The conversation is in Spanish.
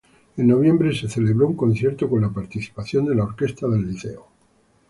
En noviembre se celebró un concierto con la participación de la orquesta del Liceo.